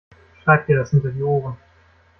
Schreib dir das hinter die Ohren!